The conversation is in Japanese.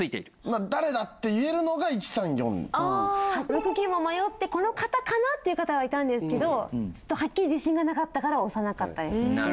６９も迷ってこの方かなっていう方はいたんですけどはっきり自信がなかったから押さなかったですね。